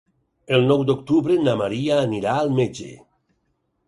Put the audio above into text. El nou d'octubre na Maria anirà al metge.